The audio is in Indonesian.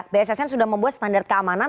bssn sudah membuat standar keamanan